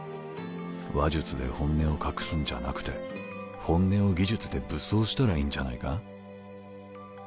話術で本音を隠すんじゃなくて本音を技術で武装したらいいんじゃないか？